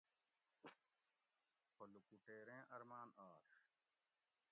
خو لکوٹیریں ارمان آش